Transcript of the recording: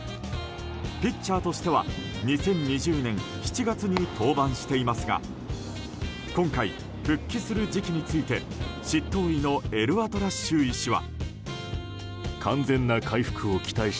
ピッチャーとしては２０２０年７月に登板していますが今回、復帰する時期について執刀医のエルアトラッシュ医師は。